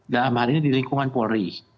dalam hal ini di lingkungan polri